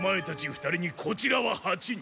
２人にこちらは８人。